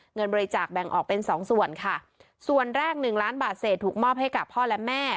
เงินบริจาคแบ่งออกเป็นสองส่วนค่ะส่วนแรกหนึ่งล้านบาทเศษถูกมอบให้กับพ่อและแม่